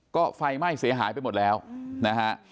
ก็ไฟไหม้เสียหายไปหมดแล้วนะฮะ